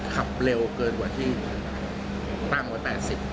ขับเร็วเกินกว่าที่ตั้งไว้๘๐